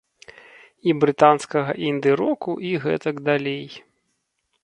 І брытанскага інды-року, і гэтак далей.